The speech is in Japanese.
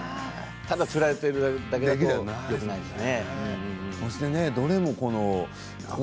ただつられているだけだとよくないんですね。